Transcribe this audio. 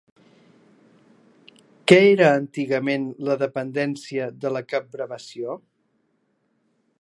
Què era antigament la dependència de la capbrevació?